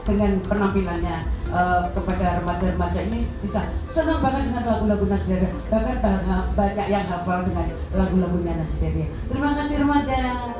senang banget dengan lagu lagu nasidariya bahkan banyak yang hafal dengan lagu lagunya nasidariya terima kasih remaja